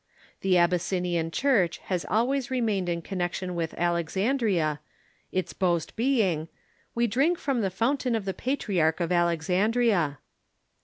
The Abyssinian Church has always remained in 7 98 THE EARLY CHURCH connection with Alexandria, its boast being, "We drink from the fountain of the Patriarch of Alexandria."